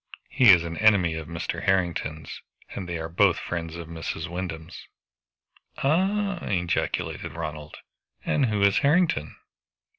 He is an enemy of Mr. Harrington's, and they are both friends of Mrs. Wyndham's." "Ah!" ejaculated Ronald, "and who is Harrington?"